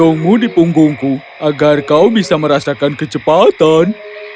aku akan menemukanmu di punggungku agar kau bisa merasakan kecepatan